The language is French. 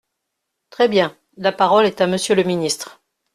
Très bien ! La parole est à Monsieur le ministre.